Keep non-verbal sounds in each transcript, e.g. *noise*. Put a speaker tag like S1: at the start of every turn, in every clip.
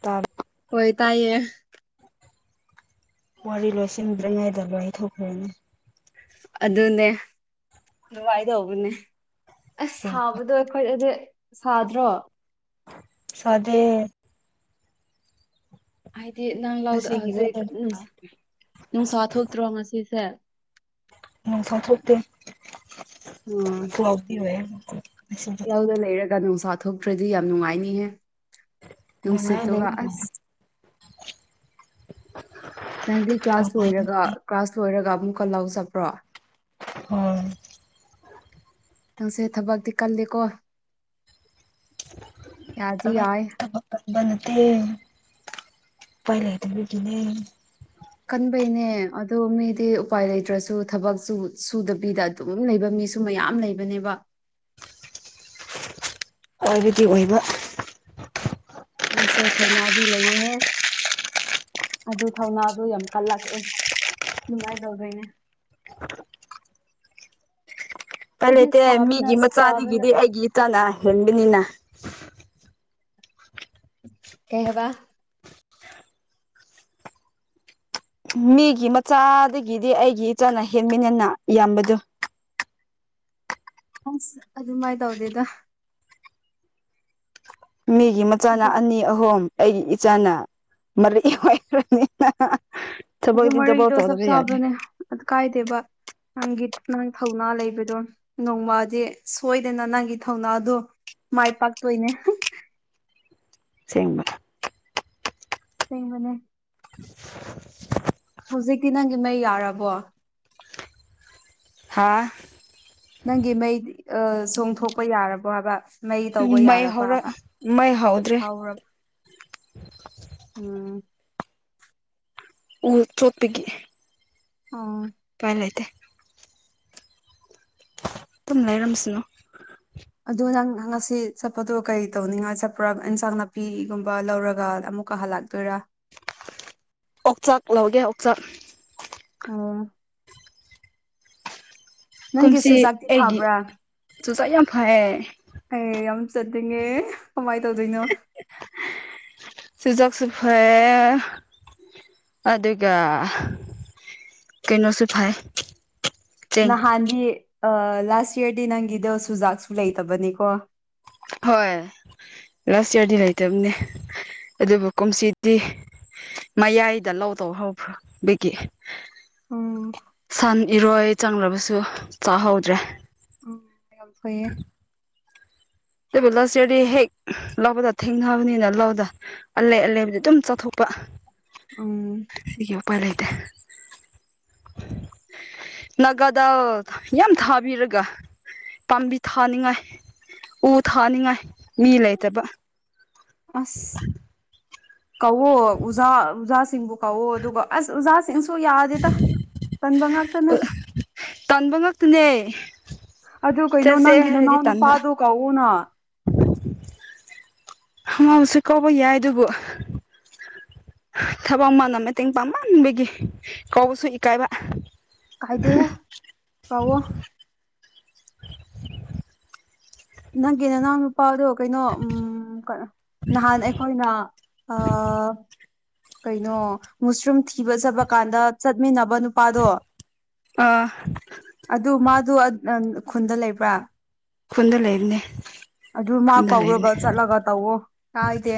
S1: ꯇꯥ
S2: ꯍꯣꯏ ꯇꯥꯏꯌꯦ
S1: ꯋꯥꯔꯤ ꯂꯣꯏꯁꯤꯟꯗ꯭ꯔꯤꯉꯩꯗ ꯋꯥꯔꯤꯊꯣꯛꯈ꯭ꯔꯦꯅꯦ
S2: ꯑꯗꯨꯅꯦ ꯗꯨꯃꯥꯏ ꯇꯧꯕꯅꯦ ꯑꯁ
S1: ꯁꯦꯡꯕ
S2: ꯁꯥꯕꯗꯣ ꯑꯩꯈꯣꯏꯗꯗꯤ ꯁꯥꯗ꯭ꯔꯣ
S1: ꯁꯥꯗꯦ
S2: ꯍꯥꯏꯗꯤ ꯅꯪ ꯂꯧꯗ
S1: ꯉꯁꯤꯒꯤ
S2: ꯍꯧꯖꯤꯛ
S1: ꯋꯦꯗꯔꯗꯤ ꯅꯨꯡꯉꯥꯏ
S2: ꯅꯨꯡꯁꯥ ꯊꯣꯛꯇ꯭ꯔꯣ ꯉꯁꯤꯁꯦ
S1: ꯅꯨꯡꯁꯥ ꯊꯣꯛꯇꯦ
S2: ꯎꯝ
S1: *unintelligible*
S2: ꯂꯧꯗ ꯂꯩꯔꯒ ꯅꯨꯡꯁꯥ ꯊꯣꯛꯇ꯭ꯔꯗꯤ ꯌꯥꯝ ꯅꯨꯡꯉꯥꯏꯅꯤꯍꯦ
S1: ꯅꯨꯡꯉꯥꯏ ꯂꯩ
S2: ꯅꯨꯡꯁꯤꯠꯇꯨꯒ ꯑꯁ
S1: *unintelligible*
S2: ꯅꯪꯗꯤ ꯀ꯭ꯂꯥꯁ ꯂꯣꯏꯔꯒ
S1: ꯅꯨꯡꯉꯥꯏꯕꯅꯤ
S2: ꯀ꯭ꯂꯥꯁ ꯂꯣꯏꯔꯒ ꯑꯃꯨꯛꯀ ꯂꯧ ꯆꯠꯄ꯭ꯔꯣ
S1: ꯍꯣꯏ
S2: ꯅꯪꯁꯦ ꯊꯕꯛꯇꯤ ꯀꯜꯂꯤꯀꯣ ꯌꯥꯗꯤ ꯌꯥꯏ
S1: ꯀꯟꯕ ꯅꯠꯇꯦ ꯎꯄꯥꯏ ꯂꯩꯇꯕꯒꯤꯅꯦ
S2: ꯀꯟꯕꯩꯅꯦ ꯑꯗꯣ ꯃꯤꯗꯤ ꯎꯄꯥꯏ ꯂꯩꯇ꯭ꯔꯁꯨ ꯊꯕꯛꯁꯨ ꯁꯨꯗꯕꯤꯗ ꯑꯗꯨꯝ ꯂꯩꯕ ꯃꯤꯁꯨ ꯃꯌꯥꯝ ꯂꯩꯕꯅꯦꯕ
S1: ꯑꯣꯏꯕꯗꯤ ꯑꯣꯏꯕ
S2: ꯅꯪꯁꯦ ꯊꯧꯅꯥꯗꯤ ꯂꯩꯌꯦꯍꯦ ꯑꯗꯨ ꯊꯧꯅꯥꯗꯣ ꯌꯥꯝ ꯀꯜꯂꯛꯑꯦ ꯅꯨꯡꯉꯥꯏ ꯇꯧꯗꯣꯏꯅꯦ ꯍꯥꯏꯗꯤ
S1: ꯎꯄꯥꯏꯂꯩꯇꯦ
S2: ꯁꯥꯕꯅ
S1: ꯃꯤꯒꯤ
S2: ꯁꯥꯕꯅ
S1: ꯃꯆꯥꯗꯨꯗꯒꯤꯗꯤ ꯑꯩꯒꯤ ꯏꯆꯥꯅ ꯍꯦꯟꯕꯅꯤꯅ
S2: ꯀꯩ ꯍꯥꯏꯕ
S1: ꯃꯤꯒꯤ ꯃꯆꯥꯗꯒꯤꯗꯤ ꯑꯩꯒꯤ ꯏꯆꯥꯅ ꯍꯦꯟꯕꯅꯤꯅ ꯌꯥꯝꯕꯗꯨ
S2: ꯑꯁ ꯑꯗꯨꯃꯥꯏ ꯇꯧꯗꯦꯗ
S1: ꯃꯤꯒꯤ ꯃꯆꯥꯅ
S2: ꯑꯗꯨ
S1: ꯑꯅꯤ ꯑꯍꯨꯝ ꯑꯩꯒꯤ ꯏꯆꯥꯅ ꯃꯔꯛ ꯑꯣꯏꯈꯔꯕꯅꯤꯅ ꯊꯕꯛꯗꯤ ꯊꯕꯛ ꯇꯧꯗꯕ ꯌꯥꯔꯦ
S2: ꯑ ꯀꯥꯏꯗꯦꯕ ꯅꯪꯒꯤ ꯅꯪ ꯊꯧꯅꯥ ꯂꯩꯕꯗꯣ ꯅꯣꯡꯃꯗꯤ ꯁꯣꯏꯗꯅ ꯅꯪꯒꯤ ꯊꯧꯅꯥꯗꯣ ꯃꯥꯏ ꯄꯥꯛꯇꯣꯏꯅꯦ
S1: ꯁꯦꯡꯕ
S2: ꯑꯁꯦꯡꯕꯅꯦ
S1: ꯎꯝ
S2: ꯍꯧꯖꯤꯛꯇꯤ ꯅꯪꯒꯤ ꯃꯩ ꯌꯥꯔꯕꯣ
S1: ꯍꯥꯥ
S2: ꯅꯪꯒꯤ ꯃꯩ ꯑ ꯆꯣꯡꯊꯣꯛꯄ ꯌꯥꯔꯕꯣ ꯍꯥꯏꯕ ꯃꯩ
S1: ꯎꯝ
S2: ꯇꯧꯕ
S1: ꯃꯩ ꯍꯧꯔ
S2: ꯌꯥꯔꯕꯥꯕ
S1: ꯃꯩ ꯍꯧꯗ꯭ꯔꯦ
S2: ꯍꯥꯎꯔꯕ ꯎꯝ
S1: ꯎ ꯆꯣꯠꯄꯒꯤ
S2: ꯑꯥ
S1: ꯎꯄꯥꯏ ꯂꯩꯇꯦ ꯗꯨꯝ ꯂꯩꯔꯝꯁꯅꯣ
S2: ꯑꯗꯨ ꯅꯪ ꯉꯁꯤ ꯆꯠꯄꯗꯨꯣ ꯀꯩ ꯇꯧꯅꯤꯡꯉꯥꯏ ꯆꯠꯄꯥ ꯏꯟꯁꯥꯡ ꯅꯥꯄꯤꯒꯨꯝꯕ ꯂꯧꯔꯒ ꯑꯃꯨꯛ ꯀꯥ ꯍꯜꯂꯥꯛꯇꯣꯏꯔꯥ
S1: ꯑꯣꯛꯆꯥꯛ ꯂꯧꯒꯦ ꯑꯣꯛꯆꯥꯛ
S2: ꯑꯣ ꯅꯪꯒꯤ
S1: ꯀꯨꯝꯁꯤ
S2: ꯆꯨꯖꯥꯛꯇꯤ
S1: ꯑꯩꯒꯤ
S2: ꯐꯕ꯭ꯔꯥ
S1: ꯆꯨꯆꯥꯥꯛ ꯌꯥꯝ ꯐꯩꯌꯦ
S2: ꯑꯦ ꯌꯥꯝ ꯆꯠꯅꯤꯡꯉꯦ ꯀꯃꯥꯏꯅ ꯇꯧꯗꯣꯏꯅꯣ
S1: ꯁꯨꯖꯥꯛꯁꯨ ꯐꯩꯌꯦ ꯑꯗꯨꯒ ꯀꯩꯅꯣꯁꯨ ꯊꯥꯏ
S2: ꯅꯍꯥꯟꯗꯤ ꯑꯥ ꯂꯥꯁ ꯏꯌꯥꯔꯗꯤ ꯅꯪꯒꯤꯗ ꯆꯨꯖꯥꯛꯁꯨ ꯂꯩꯇꯕꯅꯤꯀꯣ
S1: ꯍꯣꯏ ꯂꯥꯁ ꯏꯌꯥꯔꯗꯤ ꯂꯩꯇꯕꯅꯦ ꯑꯗꯨꯕꯨ ꯀꯨꯝꯁꯤꯗꯤ ꯃꯌꯥꯏꯗ ꯂꯧꯗꯧ ꯍꯕ꯭ꯔꯥ ꯕꯤꯒꯤ
S2: ꯑꯣ
S1: ꯁꯟ ꯏꯔꯣꯏ ꯆꯪꯂꯕꯁꯨ ꯆꯥꯍꯧꯗ꯭ꯔꯦ
S2: ꯎꯝ ꯌꯥꯝ ꯐꯩꯌꯦ
S1: ꯇꯣꯏꯕꯨ ꯂꯁꯤꯔꯤ ꯍꯦꯛ ꯂꯥꯎꯗ ꯊꯦꯡꯅꯕꯅꯤꯅ ꯂꯧꯥꯎꯗ ꯑꯂꯩ ꯑꯂꯩꯕꯨꯗꯤ ꯑꯗꯨꯝ ꯆꯠꯊꯣꯛꯄ
S2: ꯎꯝ
S1: ꯁꯤꯒꯤ ꯎꯄꯥꯏ ꯂꯩꯇꯦ ꯅꯥꯒꯥꯗꯧ ꯌꯥꯝ ꯊꯥꯕꯤꯔꯒ ꯄꯥꯝꯕꯤ ꯊꯥꯅꯤꯡꯉꯥꯏ ꯎ ꯊꯥꯅꯤꯡꯉꯥꯏ ꯃꯤ ꯂꯩꯇꯕ
S2: ꯑꯁ ꯀꯧꯋꯣ ꯑꯣꯖꯥ ꯑꯣꯖꯥꯁꯤꯡꯕꯨ ꯀꯧꯋꯣ ꯑꯗꯨꯒ ꯑꯁ ꯑꯣꯖꯥꯁꯤꯡꯁꯨ ꯌꯥ *unintelligible* ꯄꯟꯕ ꯉꯥꯛꯇꯅ
S1: ꯇꯟꯕ ꯉꯛꯇꯅꯦ
S2: ꯑꯗꯨ ꯀꯩꯅꯣ ꯅꯪꯒꯤꯅ ꯅꯅꯥꯎ ꯅꯨꯄꯥꯗꯣ ꯀꯧꯋꯣꯅ
S1: *unintelligible* ꯀꯧꯕ ꯌꯥꯏ ꯑꯗꯨꯕꯨ ꯊꯕꯛ ꯑꯃꯅ ꯃꯇꯦꯡ ꯄꯥꯡꯃꯟꯕꯒꯤ ꯀꯧꯕꯁꯨ ꯏꯀꯥꯏꯕ
S2: ꯀꯥꯏꯗꯦ ꯀꯧꯋꯣ ꯅꯪꯒꯤ ꯅꯅꯥꯎꯅꯨꯄꯥ ꯄꯥꯎꯗꯣ ꯀꯩꯅꯣ ꯎꯝ ꯅꯍꯥꯟ ꯑꯩꯈꯣꯏꯅ ꯑꯥ ꯀꯩꯅꯣ ꯃꯨꯁꯔꯨꯝ ꯊꯤꯕ ꯆꯠꯕ ꯀꯥꯟꯗ ꯆꯠꯃꯤꯟꯅꯕ ꯅꯨꯄꯥꯗꯣ
S1: ꯑꯥ
S2: ꯑꯗꯨ ꯃꯥꯗꯣ ꯈꯨꯟꯗ ꯂꯩꯕ꯭ꯔꯥ
S1: ꯈꯨꯟꯗ ꯂꯩꯕꯅꯦ
S2: ꯑꯗꯨ ꯃꯥ
S1: ꯈꯨꯟꯗ
S2: ꯀꯧꯔꯒ
S1: ꯂꯩꯕꯅꯦ
S2: ꯆꯠꯂꯒ ꯇꯧꯋꯣ ꯀꯥꯏꯗꯦ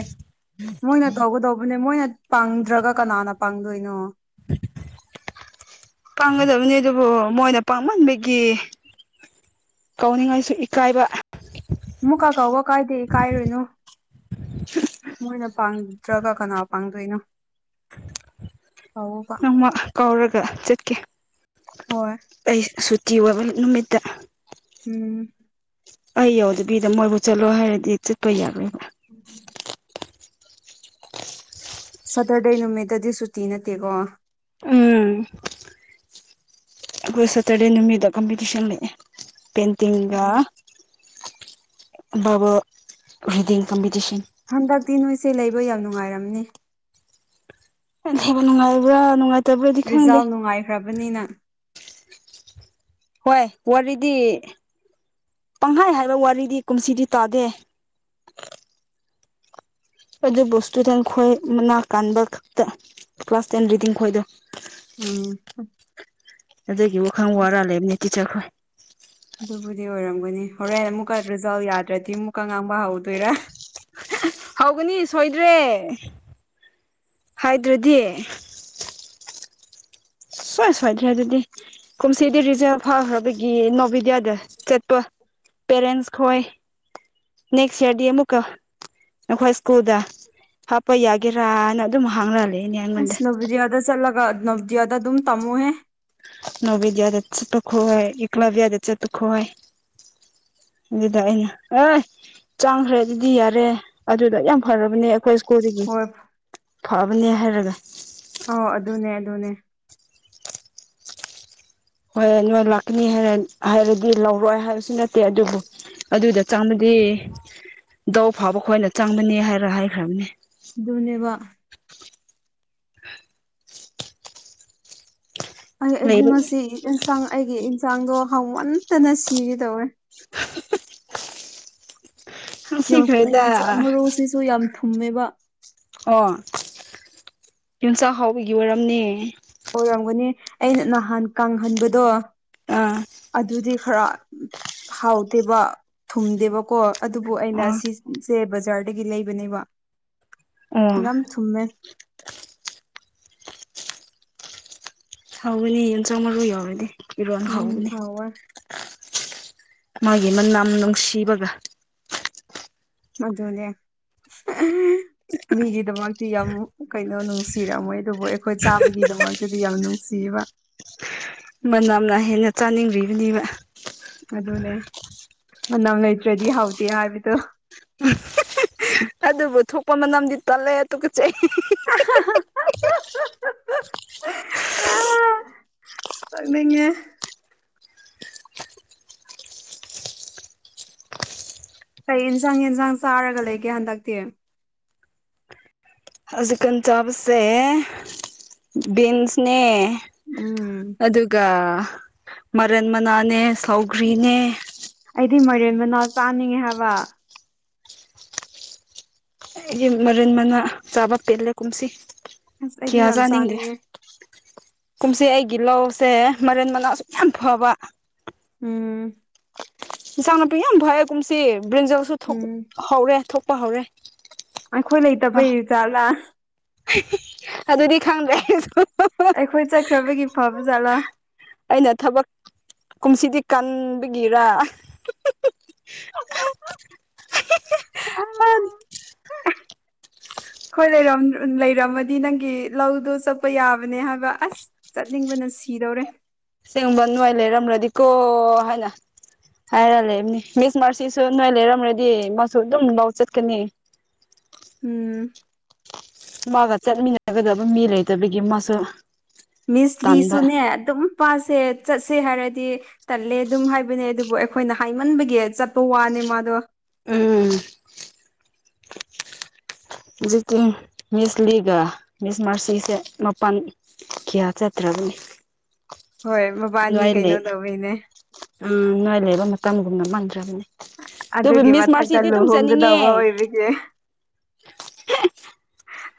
S2: ꯃꯣꯏꯅ ꯇꯧꯒꯗꯧꯕꯅꯦ ꯃꯣꯏꯅ ꯄꯥꯡꯗ꯭ꯔꯒ ꯀꯅꯥꯅ ꯄꯥꯡꯗꯣꯏꯅꯣ
S1: ꯄꯥꯡꯒꯗꯕꯅꯤ ꯑꯗꯨꯕꯨ ꯃꯣꯏꯅ ꯄꯥꯡꯃꯟꯕꯒꯤ ꯀꯧꯅꯤꯡꯉꯥꯏꯁꯨ ꯏꯀꯥꯏꯕ
S2: ꯑꯃꯨꯛꯀꯥ ꯀꯧꯋꯣ ꯀꯥꯏꯗꯦ ꯏꯀꯥꯏꯔꯨꯅꯨ ꯃꯣꯏꯅ ꯄꯥꯡꯗ꯭ꯔꯒ ꯀꯅꯥ ꯄꯥꯡꯗꯣꯏꯅꯣ ꯀꯧꯋꯣꯕ
S1: ꯅꯣꯡꯃ ꯀꯧꯔꯒ ꯆꯠꯀꯦ
S2: ꯍꯣꯏ
S1: ꯑꯩ ꯁꯨꯇꯤ ꯑꯣꯏꯕ ꯅꯨꯃꯤꯠꯇ
S2: ꯎꯝ
S1: ꯑꯩ ꯌꯧꯗꯕꯤꯗ ꯃꯣꯏꯕꯨ ꯆꯠꯂꯣ ꯍꯥꯏꯔꯗꯤ ꯆꯠꯄ ꯌꯥꯔꯣꯏꯕ
S2: ꯎꯝ ꯎꯝ ꯁꯇꯔꯗꯦ ꯅꯨꯃꯤꯠꯇꯗꯤ ꯁꯨꯇꯤ ꯅꯠꯇꯦꯀꯣ
S1: ꯎꯝ ꯑꯩꯈꯣꯏ ꯁꯇꯥꯔꯗꯦ ꯅꯨꯃꯤꯗ ꯀꯝꯄꯤꯇꯤꯁꯟ ꯂꯩꯌꯦ ꯄꯦꯟꯇꯤꯡꯒ
S2: ꯎꯝ
S1: ꯕꯕꯜ *unintelligible* ꯀꯝꯄꯤꯇꯤꯁꯟ
S2: ꯍꯟꯗꯛꯇꯤ ꯅꯣꯏꯁꯦ ꯂꯩꯕ ꯌꯥꯝ ꯅꯨꯡꯉꯥꯏꯔꯝꯅꯤ
S1: *unintelligible* ꯅꯨꯡꯉꯥꯏꯕ꯭ꯔꯥ ꯅꯨꯡꯉꯥꯏ
S2: ꯔꯤꯖꯥꯜ ꯅꯨꯡꯉꯥꯏꯈ꯭ꯔꯕꯅꯤꯅ
S1: ꯍꯣꯏ ꯋꯥꯔꯤꯗꯤ ꯄꯪꯍꯥꯏ ꯍꯥꯏꯕ ꯋꯥꯔꯤꯗꯤ ꯀꯨꯝꯁꯤꯗꯤ ꯇꯥꯗꯦ ꯑꯗꯨꯕꯨ ꯏꯁꯇꯨꯗꯦꯟ ꯈꯣꯏ ꯃꯅꯥ ꯀꯥꯟꯕ ꯈꯛꯇ ꯀ꯭ꯂꯥꯁ ꯇꯦꯟ ꯔꯤꯗꯤꯡ ꯈꯣꯏꯗꯣ
S2: ꯎꯝ
S1: ꯑꯗꯨꯒꯤ ꯋꯥꯈꯜ ꯋꯥꯔ ꯂꯩꯕꯅꯦ ꯆꯤꯆꯈ꯭ꯔꯣ
S2: ꯑꯗꯨꯕꯨꯗꯤ ꯑꯣꯏꯔꯝꯒꯅꯤ ꯍꯣꯔꯦꯟ ꯑꯃꯨꯛꯀ ꯔꯤꯖꯜ ꯌꯥꯗ꯭ꯔꯗꯤ ꯑꯃꯨꯛꯀ ꯉꯥꯡꯕ ꯍꯧꯗꯣꯏꯔ
S1: ꯍꯧꯒꯅꯤ ꯁꯣꯏꯗ꯭ꯔꯦ ꯍꯥꯏꯗ꯭ꯔꯗꯤ ꯁꯣꯏ ꯁꯣꯏꯗ꯭ꯔꯦ ꯑꯗꯨꯗꯤ ꯀꯨꯝꯁꯤꯗꯤ ꯔꯤꯖꯜ ꯐꯥꯈ꯭ꯔꯕꯒꯤ ꯅꯣꯚꯦꯗꯤꯌꯥꯗ ꯆꯠꯄ ꯄꯦꯔꯦꯟꯁ ꯈꯣꯏ ꯅꯦꯛꯁ ꯏꯌꯔꯗ ꯑꯃꯨꯛꯀ ꯅꯈꯣꯏ ꯁ꯭ꯀꯨꯜꯗ ꯍꯥꯞꯄ ꯌꯥꯒꯦꯔꯥꯅ ꯑꯗꯨꯝ ꯍꯪꯉꯂꯩꯌꯦ
S2: ꯑꯁ ꯅꯣꯕꯣꯗꯤꯌꯥꯗ ꯆꯠꯂꯒ ꯅꯣꯕꯣꯗꯤꯌꯥꯗ ꯑꯗꯨꯝ ꯇꯝꯃꯣꯍꯦ
S1: ꯅꯣꯕꯣꯗꯤꯌꯥꯗ ꯆꯠꯄꯈꯣꯏ ꯑꯦꯀꯣꯔꯕꯤꯌꯥꯗ ꯆꯠꯄꯈꯣꯏ ꯑꯗꯨꯗ ꯑꯩꯅ ꯑꯣꯏ ꯆꯥꯡꯈ꯭ꯔꯦ ꯑꯗꯨꯗꯤ ꯌꯥꯔꯦ ꯑꯗꯨꯗ ꯌꯥꯝ ꯐꯔꯕꯅꯦ ꯍꯣꯏ ꯁ꯭ꯀꯨꯜꯗꯒꯤ
S2: ꯍꯣꯏ
S1: ꯐꯕꯅꯦ ꯍꯥꯏꯔꯒ
S2: ꯑꯣ ꯑꯗꯨꯅꯦ ꯑꯗꯨꯅꯦ
S1: ꯍꯣꯏ ꯅꯣꯏ ꯂꯥꯛꯀꯅꯤ ꯍꯥꯏꯔꯗꯤ ꯂꯧꯔꯣꯏ ꯍꯥꯏꯕꯁꯨ ꯅꯠꯇꯦ ꯑꯗꯨꯕꯨ ꯑꯗꯨꯗ ꯆꯪꯕꯗꯤ ꯗꯧ ꯐꯥꯕ ꯈꯣꯏꯅ ꯆꯪꯕꯅꯤ ꯍꯥꯏꯔ ꯍꯥꯏꯈ꯭ꯔꯕꯅꯦ
S2: ꯗꯨꯅꯦꯕ ꯑꯩ ꯑꯩꯗꯤ
S1: ꯂꯩꯕ
S2: ꯉꯁꯤ ꯏꯟꯁꯥꯡ ꯑꯩꯒꯤ ꯏꯟꯁꯥꯡꯗꯣ ꯍꯥꯎꯃꯟꯇꯅ ꯁꯤꯒꯦ ꯇꯧꯋꯦ
S1: ꯍ ꯍ ꯍ
S2: ꯌꯣ ꯌꯣꯡꯆꯥꯛ ꯃꯔꯨꯁꯤꯁꯨ ꯌꯥꯝ ꯊꯨꯝꯃꯦꯕ
S1: ꯑꯣ ꯌꯨꯝꯆꯥꯛ ꯍꯥꯎꯕꯒꯤ ꯑꯣꯏꯔꯝꯅꯤ
S2: ꯑꯣꯏꯔꯝꯒꯅꯤ ꯑꯩꯅ ꯅꯍꯥꯟ ꯀꯪꯍꯟꯕꯗꯣ
S1: ꯑꯥ
S2: ꯑꯗꯨꯗꯤ ꯈꯔ ꯍꯥꯎꯗꯦꯕ ꯊꯨꯝꯗꯦꯕꯀꯣ ꯑꯗꯨꯕꯨ ꯑꯩꯅ
S1: ꯑꯣ
S2: ꯁꯤ ꯁꯦ ꯕꯖꯥꯔꯗꯒꯤ ꯂꯩꯕꯅꯦꯕ
S1: ꯑꯣ
S2: ꯌꯥꯝ ꯊꯨꯝꯃꯦ
S1: ꯍꯥꯎꯒꯅꯤ ꯏꯟꯁꯥꯡ ꯃꯔꯣꯏ ꯌꯥꯎꯔꯗꯤ ꯏꯔꯣꯟ
S2: ꯎꯝ
S1: ꯍꯥꯎꯕꯅꯤ
S2: ꯍꯥꯎꯋꯦ
S1: ꯃꯥꯒꯤ ꯃꯅꯝ ꯅꯨꯡꯁꯤꯕꯒ
S2: ꯑꯗꯨꯅꯦ ꯃꯤꯒꯤꯗꯃꯛꯇꯤ ꯌꯥꯝ ꯀꯩꯅꯣ ꯅꯨꯡꯁꯤ ꯊꯤꯔꯝꯃꯣꯏ ꯑꯗꯨꯕꯨ ꯑꯩꯈꯣꯏ ꯆꯥꯕꯒꯤꯗꯃꯛꯇꯗꯤ ꯌꯥꯝ ꯅꯨꯡꯁꯤꯕ
S1: ꯃꯅꯝꯅ ꯍꯦꯟꯅ ꯆꯥꯅꯤꯡꯕꯤꯔꯤꯕꯅꯦꯕ
S2: ꯑꯗꯨꯅꯦ ꯃꯅꯝ ꯂꯩꯇ꯭ꯔꯗꯤ ꯍꯧꯇꯦ ꯍꯥꯏꯕꯤꯗꯣ
S1: ꯑꯗꯨꯕꯨ ꯊꯣꯛꯄ ꯃꯅꯝꯗꯤ ꯇꯜꯂꯦ ꯇꯨꯀꯨꯠꯆꯩ
S2: ꯑ ꯆꯪꯅꯤꯡꯉꯦ ꯀꯩ ꯏꯟꯖꯥꯡ ꯌꯦꯟꯁꯥꯡ ꯆꯥꯔꯒ ꯂꯩꯒꯦ ꯍꯟꯗꯛꯇꯤ
S1: ꯍꯧꯖꯤꯛꯀꯥꯟ ꯆꯥꯕꯁꯦ ꯕꯤꯟꯁꯅꯦ ꯑꯗꯨꯒ ꯃꯔꯟ ꯃꯅꯥꯅꯦ ꯁꯧꯒ꯭ꯔꯤꯅꯦ
S2: ꯑꯩꯗꯤ ꯃꯥꯏꯔꯦꯟ ꯃꯅꯥ ꯆꯥꯅꯤꯡꯉꯦ ꯍꯥꯏꯕ
S1: ꯑꯩ ꯃꯔꯤꯟ ꯃꯅꯥ ꯆꯥꯕ ꯄꯦꯜꯂꯦ ꯀꯨꯝꯁꯤ
S2: ꯑꯁ ꯑꯩꯗꯤ
S1: ꯀꯤꯌꯥ
S2: ꯌꯥꯝ
S1: ꯆꯥꯅꯤꯡꯗꯦ
S2: ꯆꯥꯅꯤꯡꯉꯦ
S1: ꯀꯨꯝꯁꯤ ꯑꯩꯒꯤ ꯂꯧꯁꯦ ꯃꯔꯦꯟ ꯃꯅꯥꯁꯨ ꯌꯥꯝ ꯐꯕ
S2: ꯎꯝ
S1: ꯏꯟꯁꯥꯡ ꯅꯥꯄꯤ ꯌꯥꯝ ꯐꯌꯦ ꯀꯨꯝꯁꯤ ꯕ꯭ꯔꯤꯟꯖꯜꯁꯨ
S2: ꯎꯝ
S1: ꯍꯧꯔꯦ ꯊꯣꯛꯄ ꯍꯧꯔꯦ
S2: ꯑꯩꯈꯣꯏ
S1: ꯑ
S2: ꯂꯩꯇꯕꯩ ꯖꯥꯠꯂꯥ
S1: ꯑꯗꯨꯗꯤ ꯈꯪꯗ꯭ꯔꯦ ꯑꯩꯖꯨ
S2: ꯑꯩꯈꯣꯏ ꯆꯠꯈ꯭ꯔꯕꯒꯤ ꯐꯕ ꯖꯥꯠꯂꯥ
S1: ꯑꯩꯅ ꯊꯕꯛ ꯀꯨꯝꯁꯤꯗꯤ ꯀꯟꯕꯒꯤꯔ
S2: ꯑ ꯈꯣꯏ ꯂꯩꯔ ꯂꯩꯔꯝꯃꯗꯤ ꯅꯪꯒꯤ ꯂꯧꯗꯣ ꯆꯠꯄ ꯌꯥꯕꯅꯦ ꯍꯥꯏꯕ ꯑꯁ ꯆꯠ ꯆꯠꯅꯤꯡꯕꯅ ꯁꯤꯗꯧꯔꯦ
S1: ꯑꯁꯦꯡꯕ ꯅꯣꯏ ꯂꯩꯔꯝꯔꯗꯤꯀꯣ ꯍꯥꯏꯅ ꯍꯥꯏꯔ ꯂꯩꯕꯅꯤ ꯃꯤꯁ ꯃꯥꯁꯤꯁꯨ ꯅꯣꯏ ꯂꯩꯔꯝꯔꯗꯤ ꯃꯥꯁꯨ ꯑꯗꯨꯝ ꯂꯧ ꯆꯠꯀꯅꯤ
S2: ꯎꯝ
S1: ꯃꯥꯒ ꯆꯠꯃꯤꯟꯅꯒꯗꯕ ꯃꯤ ꯂꯩꯇꯕꯒꯤ ꯃꯥꯁꯨ
S2: ꯃꯤꯁ
S1: ꯇꯟꯕ
S2: ꯂꯤꯁꯨꯅꯦ ꯑꯗꯨꯝ ꯄꯥꯠꯁꯦ ꯆꯠꯁꯦ ꯍꯥꯏꯔꯗꯤ ꯇꯜꯂꯦ ꯑꯗꯨꯝ ꯍꯥꯏꯕꯅꯦ ꯑꯗꯨꯕꯨ ꯑꯩꯈꯣꯏꯅ ꯍꯥꯏꯃꯟꯕꯒꯤ ꯆꯠꯄ ꯋꯥꯅꯦ ꯃꯥꯗꯣ
S1: ꯎꯝ ꯍꯧꯖꯤꯛꯀꯤ ꯃꯤꯁ ꯂꯤꯒ ꯃꯤꯁ ꯃꯥꯁꯤꯁꯦ ꯃꯥꯄꯜ ꯀꯤꯌꯥ ꯆꯠꯇ꯭ꯔꯒꯅꯤ
S2: ꯍꯣꯏ ꯃꯕꯥꯅꯤ ꯀꯩꯅꯣ ꯇꯧꯋꯤꯅꯦ
S1: ꯎꯝ ꯅꯣꯏ ꯂꯩꯕ ꯃꯇꯝꯒꯨꯝꯅ ꯃꯪꯗ꯭ꯔꯕꯅꯦ
S2: ꯑꯗꯨꯒꯤ ꯃꯊꯛꯇ ꯂꯨꯍꯣꯡꯒꯗꯧꯕ ꯑꯣꯏꯕ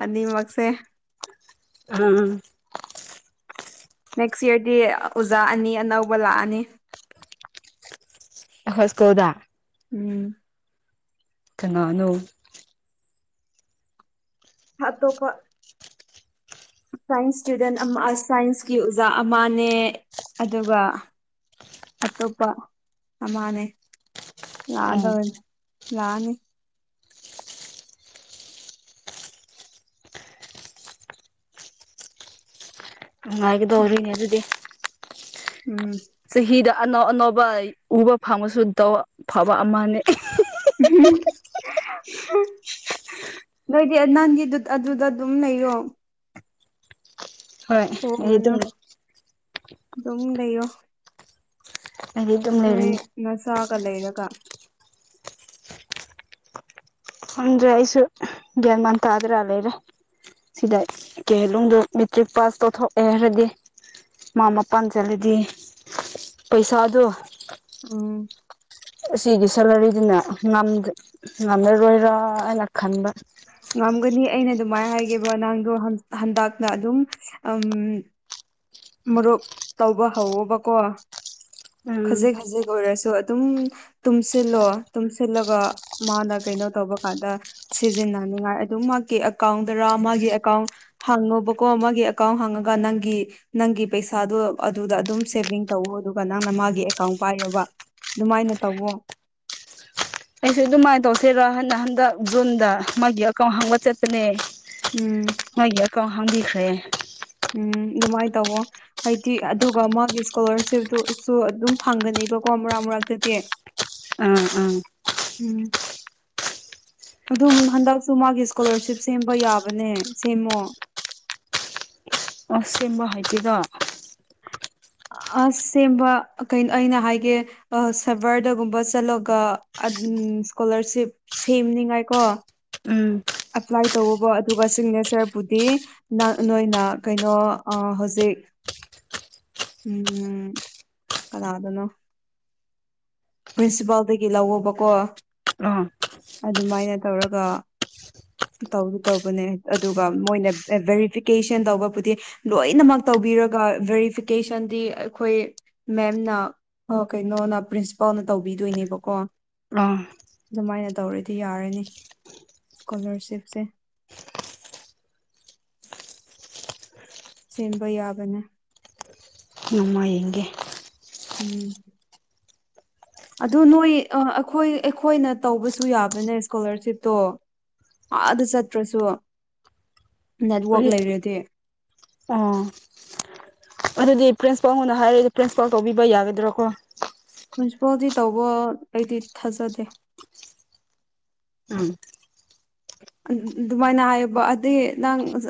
S2: ꯑꯅꯤꯃꯛꯁꯦ
S1: ꯎꯝ
S2: ꯅꯦꯛꯁ ꯏꯌ꯭ꯔꯗꯤ ꯑꯣꯖꯥ ꯑꯅꯤ ꯑꯅꯧꯕ ꯂꯥꯛꯑꯅꯤ
S1: ꯈꯣꯏ ꯁ꯭ꯀꯨꯜꯗꯥ
S2: ꯎꯝ
S1: ꯀꯅꯥꯅꯣ
S2: ꯑꯇꯣꯞꯄ ꯁꯥꯏꯟꯁ ꯏꯁꯇꯨꯗꯦꯟ ꯑꯃ ꯁꯥꯏꯟꯁꯀꯤ ꯑꯣꯖꯥ ꯑꯃꯅꯦ ꯑꯗꯨꯒ ꯑꯇꯣꯞꯄ ꯑꯃꯅꯦ
S1: ꯎꯝ
S2: ꯂꯥꯛꯑꯗꯕꯅꯤ ꯂꯥꯛꯑꯅꯤ
S1: ꯅꯨꯡꯉꯥꯏꯒꯗꯧꯔꯤꯅꯦ ꯑꯗꯨꯗꯤ
S2: ꯎꯝ
S1: ꯆꯍꯤꯗ ꯑꯅꯧ ꯑꯅꯧꯕ ꯎꯕ ꯐꯪꯕꯁꯨ ꯇꯧ ꯐꯕ ꯑꯃꯅꯤ
S2: ꯎꯝ ꯅꯣꯏꯗꯤ ꯅꯪꯒꯤ ꯑꯗꯨꯗ ꯑꯗꯨꯝ ꯂꯩꯌꯣ
S1: ꯍꯣꯏ ꯑꯩ
S2: ꯍꯣꯡꯉꯅꯨ
S1: ꯑꯗꯨꯝ
S2: ꯑꯗꯨꯝ ꯂꯩꯌꯣ
S1: ꯑꯩꯗꯤ ꯑꯗꯨꯝ
S2: ꯅꯣꯏ
S1: ꯂꯩꯔꯅꯤ
S2: ꯅꯆꯥꯒ ꯂꯩꯔꯒ
S1: ꯈꯪꯗꯔꯦ ꯑꯩꯁꯨ ꯒꯌ꯭ꯥꯟ ꯃꯥꯟ ꯇꯥꯗꯅ ꯂꯩꯔꯦ ꯁꯤꯗ ꯀꯦꯍꯂꯣꯡꯗ ꯃꯦꯇ꯭ꯔꯤꯛ ꯄꯥꯁ ꯇꯧꯊꯣꯛꯑꯦ ꯍꯥꯏꯔꯗꯤ ꯃꯥ ꯃꯄꯥꯟ ꯆꯠꯂꯗꯤ ꯄꯩꯁꯥꯗꯣ
S2: ꯎꯝ
S1: ꯑꯁꯤꯒꯤ ꯁꯦꯂꯔꯤꯗꯨꯅ ꯉꯝꯂꯔꯣꯏꯔꯥ ꯍꯥꯏꯅ ꯈꯟꯕ
S2: ꯉꯝꯒꯅꯤ ꯑꯩꯅ ꯑꯗꯨꯃꯥꯏꯅ ꯍꯥꯏꯒꯦꯕ ꯅꯪꯗꯣ ꯍꯟꯗꯛꯅ ꯑꯗꯨꯝ ꯎꯝ ꯃꯔꯨꯞ ꯇꯧꯕ ꯍꯧꯋꯣꯕꯀꯣ
S1: ꯎꯝ
S2: ꯈꯖꯤꯛ ꯈꯖꯤꯛ ꯑꯣꯏꯔꯁꯨ ꯑꯗꯨꯝ ꯇꯨꯡꯁꯤꯜꯂꯣ ꯇꯨꯡꯁꯤꯜꯂꯒ ꯃꯥꯅ ꯀꯩꯅꯣ ꯇꯧꯕ ꯀꯥꯟꯗ ꯁꯤꯖꯤꯟꯅꯅꯤꯉꯥꯏ ꯑꯗꯨꯝ ꯃꯥꯒꯤ ꯑꯦꯀꯥꯎꯟꯗꯔꯥ ꯃꯥꯒꯤ ꯑꯦꯀꯥꯎꯟ ꯍꯥꯡꯉꯣꯕꯀꯣ ꯃꯥꯒꯤ ꯑꯦꯀꯥꯎꯟ ꯍꯥꯡꯉꯒ ꯅꯪꯒꯤ ꯅꯪꯒꯤ ꯄꯩꯁꯥꯗꯣ ꯑꯗꯨꯗ ꯑꯗꯨꯝ ꯁꯦꯚꯤꯡ ꯇꯧꯑꯣ ꯑꯗꯨꯒ ꯅꯪꯅ ꯃꯥꯒꯤ ꯑꯦꯀꯥꯎꯟ ꯄꯥꯏꯌꯣꯕ ꯑꯗꯨꯃꯥꯏꯅ ꯇꯋꯣ
S1: ꯑꯩꯁꯨ ꯑꯗꯨꯃꯥꯏꯅ ꯇꯧꯁꯤꯔ ꯍꯥꯏꯅ ꯍꯟꯗꯛ ꯖꯨꯟꯗ ꯃꯥꯒꯤ ꯑꯦꯀꯥꯎꯟ ꯍꯥꯡꯕ ꯆꯠꯄꯅꯦ
S2: ꯎꯝ
S1: ꯃꯥꯒꯤ ꯑꯦꯀꯥꯎꯟ ꯍꯥꯡꯕꯤꯈ꯭ꯔꯦ
S2: ꯎꯝ ꯑꯗꯨꯃꯥꯏꯅ ꯇꯧꯑꯣ ꯍꯥꯏꯗꯤ ꯑꯗꯨꯒ ꯃꯥꯒꯤ ꯏꯁꯀꯣꯂꯥꯔꯁꯤꯞꯇꯨꯁꯨ ꯑꯗꯨꯝ ꯐꯪꯒꯅꯦꯕꯀꯣ ꯃꯔꯛ ꯃꯔꯛꯇꯗꯤ
S1: ꯑꯥ ꯑꯥ
S2: ꯎꯝ ꯑꯗꯨꯝ ꯍꯟꯗꯛꯁꯨ ꯃꯥꯒꯤ ꯏꯁꯀꯣꯂꯥꯔꯁꯤꯞ ꯁꯦꯝꯕ ꯌꯥꯕꯅꯦ ꯁꯦꯝꯃꯣ
S1: ꯑꯁ ꯁꯦꯝꯕ ꯍꯩꯇꯦꯗ
S2: ꯑꯁ ꯁꯦꯝꯕ ꯀꯩꯅꯣ ꯑꯩꯅ ꯍꯥꯏꯒꯦ ꯁꯔꯕꯔꯗꯒꯨꯝꯕ ꯆꯠꯂꯒ ꯏꯁꯀꯣꯂꯥꯔꯁꯤꯞ ꯁꯦꯝꯅꯤꯉꯥꯏ ꯀꯣ
S1: ꯎꯝ
S2: ꯑꯦꯄ꯭ꯂꯥꯏ ꯇꯧꯕꯕ ꯑꯗꯨꯒ ꯁꯤꯒꯅꯦꯆꯔꯕꯨꯗꯤ ꯅ ꯅꯣꯏꯅ ꯀꯩꯅꯣ ꯍꯧꯖꯤꯛ ꯎꯝ ꯀꯅꯥꯗꯅꯣ ꯄ꯭ꯔꯤꯟꯁꯤꯄꯥꯜꯗꯒꯤ ꯂꯧꯑꯣꯣꯕꯀꯣ
S1: ꯑꯥ
S2: ꯑꯗꯨꯃꯥꯏꯅ ꯇꯧꯔꯒ ꯇꯧ ꯇꯧꯕꯅꯦ ꯑꯗꯨꯒ ꯃꯣꯏꯅ ꯚꯦꯔꯤꯐꯤꯀꯦꯁꯟ ꯇꯧꯕꯕꯨꯗꯤ ꯂꯣꯏꯅꯃꯛ ꯇꯧꯕꯤꯔꯒ ꯚꯦꯔꯤꯐꯤꯀꯦꯁꯟꯗꯤ ꯑꯩꯈꯣꯏ ꯃꯦꯝꯅ ꯀꯩꯅꯣꯅ ꯄ꯭ꯔꯤꯟꯁꯤꯄꯥꯜꯅ ꯇꯧꯕꯤꯗꯣꯏꯅꯦꯕꯀꯣ
S1: ꯑꯥ
S2: ꯑꯗꯨꯃꯥꯏꯅ ꯇꯧꯔꯗꯤ ꯌꯥꯔꯅꯤ ꯏꯁꯀꯣꯂꯥꯔꯁꯤꯞꯁꯦ ꯁꯦꯝꯕ ꯌꯥꯕꯅꯦ
S1: ꯑꯗꯨꯃꯥꯏꯌꯦꯡꯒꯦ
S2: ꯎꯝ ꯑꯗꯣ ꯅꯣꯏ ꯑꯩꯈꯣꯏ ꯑꯩꯈꯣꯏꯅ ꯇꯧꯕꯁꯨ ꯌꯥꯕꯅꯦ ꯏꯁꯀꯣꯂꯔꯁꯤꯞꯇꯣ ꯑꯥꯗ ꯆꯠꯇ꯭ꯔꯁꯨ ꯅꯦꯠꯋꯥꯔꯛ ꯂꯩꯔꯗꯤ
S1: ꯑꯥ ꯑꯗꯨꯗꯤ ꯄ꯭ꯔꯤꯟꯁꯤꯄꯥꯜꯉꯣꯟꯗ ꯍꯥꯏꯔꯛꯏꯣ ꯄ꯭ꯔꯤꯟꯁꯄꯥꯜ ꯇꯧꯕꯤꯕ ꯌꯥꯒꯗ꯭ꯔꯣ ꯀꯣ
S2: ꯃ꯭ꯌꯨꯟꯁꯤꯄꯥꯜꯗꯤ ꯇꯧꯕ ꯑꯩꯗꯤ ꯊꯥꯖꯗꯦ
S1: ꯎꯝ
S2: ꯑꯗꯨꯃꯥꯏꯅ ꯍꯥꯏꯌꯦꯕ ꯑꯗꯨꯗꯤ ꯅꯪ